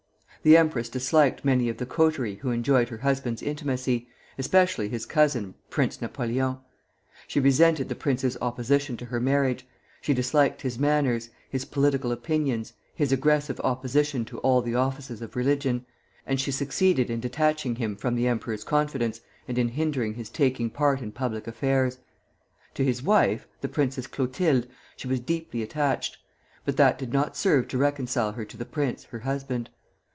The empress disliked many of the coterie who enjoyed her husband's intimacy, especially his cousin, Prince Napoleon. She resented the prince's opposition to her marriage; she disliked his manners, his political opinions, his aggressive opposition to all the offices of religion; and she succeeded in detaching him from the emperor's confidence, and in hindering his taking part in public affairs. To his wife the Princess Clotilde she was deeply attached; but that did not serve to reconcile her to the prince, her husband.